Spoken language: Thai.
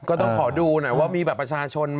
ก็ต้องขอดูหน่อยว่ามีบัตรประชาชน